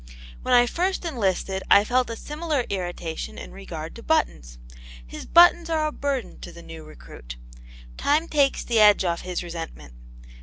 When I first enlisted I felt a similar irritation in regard to buttons. His buttons are a burden to the new recruit. Time takes the edge off his resentment.